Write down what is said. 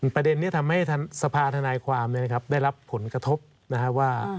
ประเด็นนี้ทำให้สภาธนายความได้รับผลกระทบนะครับว่า